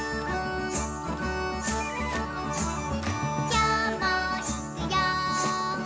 「きょうもいくよ！」